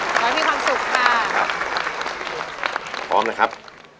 ขอให้มีความสุขค่ะครับพร้อมนะครับ